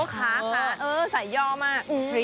ขาใส่ย่อมาก